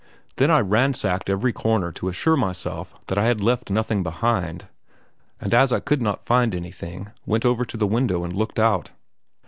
Then I ransacked every corner to assure myself that I had left nothing behind, and as I could not find anything, went over to the window and looked out.